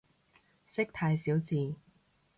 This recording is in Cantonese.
識太少字